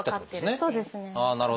そうですね。